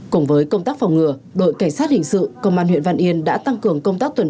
cùng với công tác phòng ngừa đội cảnh sát hình sự công an huyện văn yên đã tăng cường công tác tuần